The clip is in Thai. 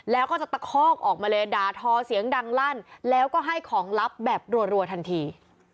แล้วก็จะตะคอกออกมาเลยด่าทอเสียงดังลั่นแล้วก็ให้ของลับแบบรัวทันที